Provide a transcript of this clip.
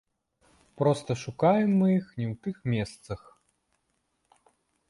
Проста шукаем мы іх не ў тых месцах.